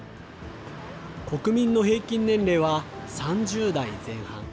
国民の平均年齢は３０代前半。